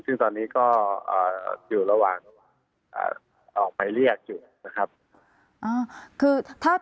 ซึ่งตอนนี้ก็อยู่ระหว่างออกหมายเรียกอยู่นะครับ